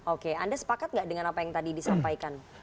oke anda sepakat gak dengan apa yang tadi disampaikan